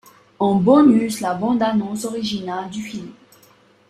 En bonus la bande annonce originale du film.